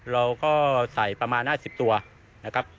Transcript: เราก็ใส่ประมาณ๕๐ตัวนะครับ